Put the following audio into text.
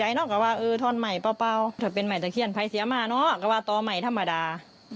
ไม่นานเมื่อนี้เจ้าของบ้านเอาดินมาถมด้วยไบรรยา